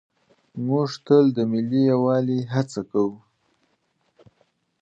موږ تل د ملي یووالي هڅه کوو.